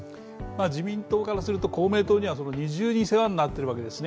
自民党からすると公明党には二重に世話になってるわけですね